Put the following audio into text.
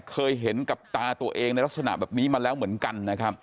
เคยเห็นกับตาตัวเองในลักษณะแบบนี้มาแล้วเหมือนกันนะครับ